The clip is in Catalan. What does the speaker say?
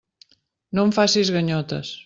No em facis ganyotes.